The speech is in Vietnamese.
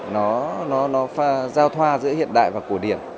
nó giao thoa giữa hiện đại và cổ điển